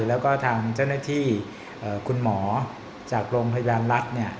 แล้วก็ทางเจ้าหน้าที่คุณหมอจากโรงพยาบาลรัฐ